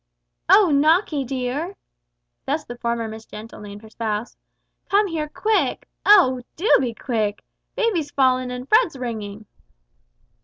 "Oh! Nockie dear" thus the former Miss Gentle named her spouse, "come here, quick oh! do be quick! Baby's fallen and Fred's ringing."